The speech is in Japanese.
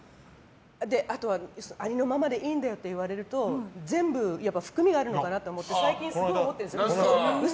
あとは、ありのままでいいんだよと言われると全部、含みがあるのかなって思って最近すごい思ってるんです。